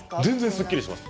すっきりします。